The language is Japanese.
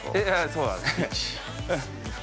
◆そうだね。